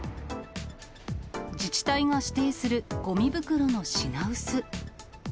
自治体が指定するごみ袋の品薄。